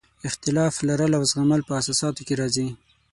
اختلاف لرل او زغمل په اساساتو کې راځي.